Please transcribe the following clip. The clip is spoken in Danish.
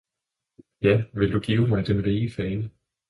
ja vil du give mig den rige fane!